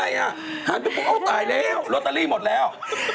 ขายไปปุ๊บเอาตายเนี่ยศสหมดแล้ว